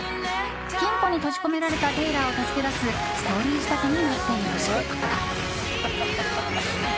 金庫に閉じ込められたテイラーを助け出すストーリー仕立てになっている。